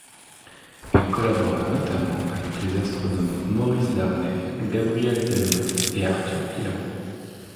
Il collabora notamment avec les astronomes Maurice Darney, Gabriel Delmotte et Arthur Pierot.